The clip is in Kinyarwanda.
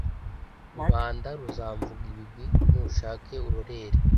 Rubanda ruzamvuga ibigwi nushake urorere